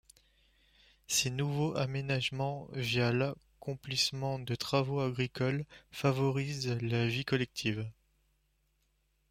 Ces nouveaux aménagements, via l'accomplissement de travaux agricoles, favorisent la vie collective.